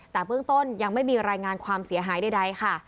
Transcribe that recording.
แต่เบื้องต้นยังไม่มีรายงานความเสียหายใดค่ะ